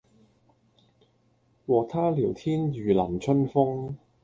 和他聊天如淋春風